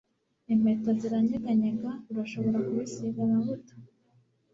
impeta ziranyeganyega urashobora kubisiga amavuta